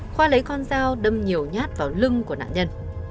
khoa lấy con dao đâm nhiều nhát vào lưng của nạn nhân